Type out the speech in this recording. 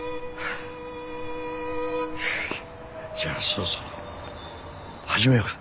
じゃあそろそろ始めようか。